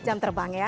jam terbang ya